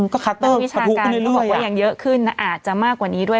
ก็คัตเตอร์สะดวกขึ้นเรื่อยอาจจะมากกว่านี้ด้วย